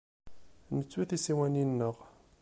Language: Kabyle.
Nettu tisiwanin-nneɣ.